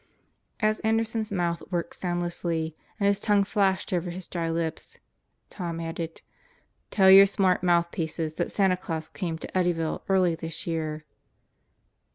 As Anderson's mouth worked soundlessly and his tongue flashed over his dry lips, Tom added, "Tell your smart mouthpieces that Santa Claus came to EddyviUe early this year."